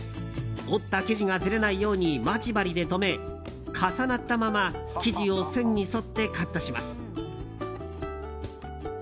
折った生地がずれないようにまち針で止め重なったまま生地を線に沿ってカットします。